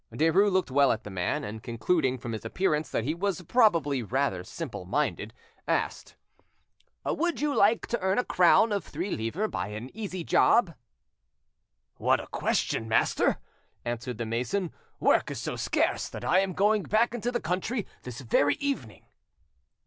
Derues looked well at the man, and concluding from his appearance that he was probably rather simpleminded, asked— "Would you like to earn a crown of three livres by an easy job?" "What a question, master!" answered the mason. "Work is so scarce that I am going back into the country this very evening."